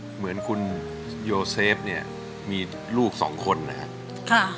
เหมือนคุณโยเซฟเนี่ยมีลูกสองคนนะครับ